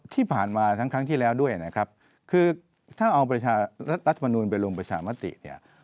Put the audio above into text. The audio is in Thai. ที่ผ่านมาทั้งครั้งที่แล้วด้วยนะครับคือถ้าเอาประชารัฐมนูลไปลงประชามติเนี่ย